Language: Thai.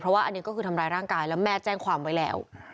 ว่าอันนี้ก็คือทำร้ายร่างกายแล้วแม่แจ้งความไว้แล้ว